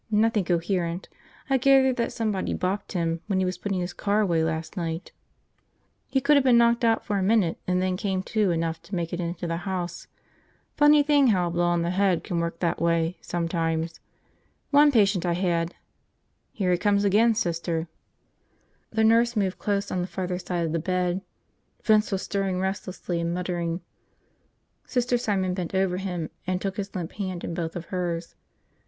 "Nothing coherent. I gathered that somebody bopped him when he was putting his car away last night. He could have been knocked out for a minute and then came to enough to make it into the house. Funny thing how a blow on the head can work that way, sometimes. One patient I had – here he comes again, Sister." The nurse moved close on the farther side of the bed. Vince was stirring restlessly and muttering. Sister Simon bent over him and took his limp hand in both of hers.